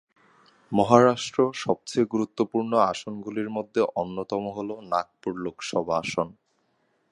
মহারাষ্ট্র সবচেয়ে গুরুত্বপূর্ণ আসনগুলির মধ্যে অন্যতম হল নাগপুর লোকসভা আসন।